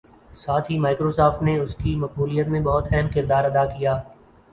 ساتھ ہی مائیکروسوفٹ نے اس کی مقبولیت میں بہت اہم کردار ادا کیا